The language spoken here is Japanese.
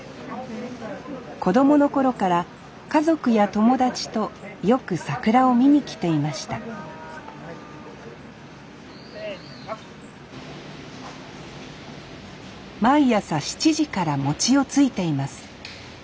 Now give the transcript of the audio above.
子供の頃から家族や友達とよく桜を見に来ていました毎朝７時から餅をついています。